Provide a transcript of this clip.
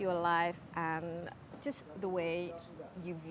dan apa yang telah dilakukan